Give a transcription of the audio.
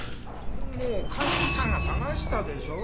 もう鑑識さんが捜したでしょう。